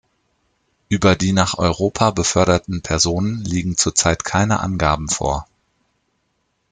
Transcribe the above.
Über die nach Europa beförderten Personen liegen zur Zeit keine Angaben vor.